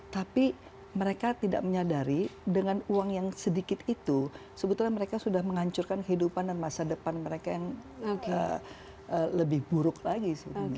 tapi mereka tidak menyadari dengan uang yang sedikit itu sebetulnya mereka sudah menghancurkan kehidupan dan masa depan mereka yang lebih buruk lagi sebenarnya